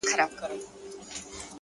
هره لاسته راوړنه قرباني غواړي.